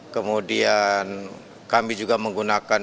kemudian kami juga menggunakan